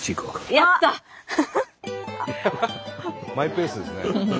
マイペースですね。